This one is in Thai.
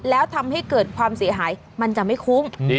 แล้วทำให้เกิดความเสียหายมันจะไม่คุ้ม